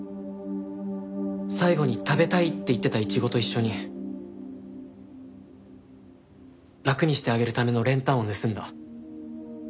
最後に食べたいって言ってたイチゴと一緒に楽にしてあげるための練炭を盗んだ。